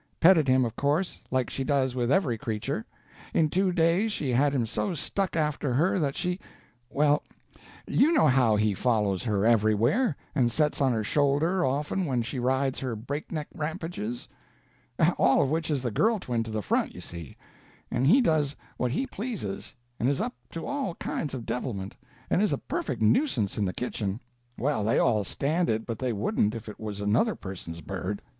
Petted him, of course, like she does with every creature. In two days she had him so stuck after her that she—well, you know how he follows her everywhere, and sets on her shoulder often when she rides her breakneck rampages—all of which is the girl twin to the front, you see—and he does what he pleases, and is up to all kinds of devilment, and is a perfect nuisance in the kitchen. Well, they all stand it, but they wouldn't if it was another person's bird."